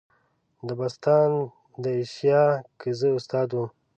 دبستان د ایشیا که زه استاد وم.